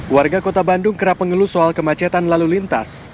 warga kota bandung kerap mengeluh soal kemacetan lalu lintas